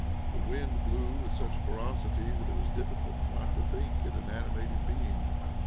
The wind blew with such ferocity that it was difficult not to think it an animated being.